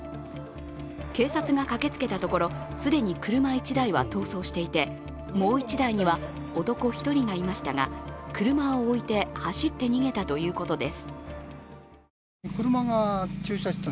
警察が駆けつけたところ、既に車１台は逃走していてもう１台には男１人がいましたが、車を置いて走って逃げたということです。